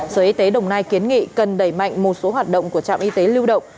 sở y tế đồng nai kiến nghị cần đẩy mạnh một số hoạt động của trạm y tế lưu động